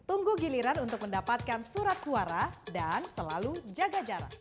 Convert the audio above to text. tunggu giliran untuk mendapatkan surat suara dan selalu jaga jarak